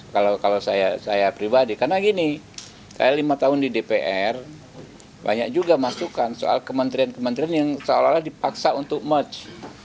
kalau saya pribadi karena gini saya lima tahun di dpr banyak juga masukan soal kementerian kementerian yang seolah olah dipaksa untuk match